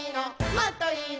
もっといいの！